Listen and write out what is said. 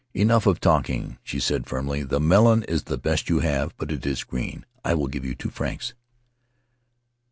"Enough of talking," she said, firmly; "the melon is the best you have, but it is green. I will give two francs."